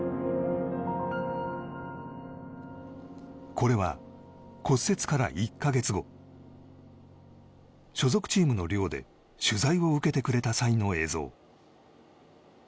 これは、骨折から１か月後所属チームの寮で取材を受けてくれた際の映像。